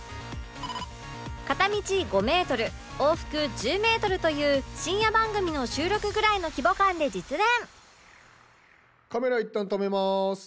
片道５メートル往復１０メートルという深夜番組の収録ぐらいの規模感で実演